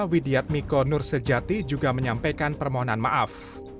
widiat miko nur sejati juga menyampaikan permohonan maaf